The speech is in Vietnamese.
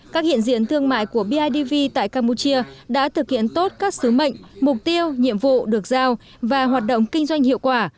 các hiện diện thương mại của bidv tại campuchia đã thực hiện tốt các sứ mệnh mục tiêu nhiệm vụ được giao và hoạt động kinh doanh hiệu quả